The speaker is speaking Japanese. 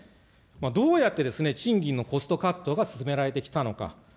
どうやって賃金のコストカットが進められてきたのか。